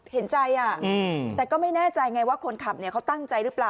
เห็นใจแต่ก็ไม่แน่ใจไงว่าคนขับเขาตั้งใจหรือเปล่า